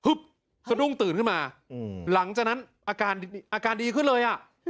ฮึบสะดุ้งตื่นมาหลังจากนั้นอาการดีขึ้นเลยอ่ะ